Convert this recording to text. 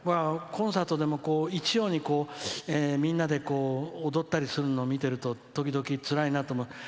コンサートでも一様にみんなで踊ったりするのを見ていると時々、つらいなと思う。